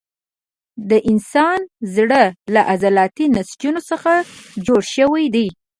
د انسان زړه له عضلاتي نسجونو څخه جوړ شوی دی.